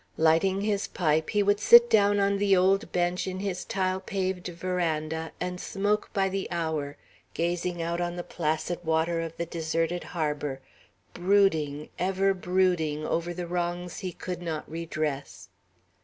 Lighting his pipe, he would sit down on the old bench in his tile paved veranda, and smoke by the hour, gazing out on the placid water of the deserted harbor, brooding, ever brooding, over the wrongs he could not redress.